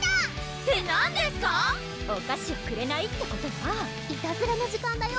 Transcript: ⁉って何ですか⁉お菓子をくれないってことはいたずらの時間だよ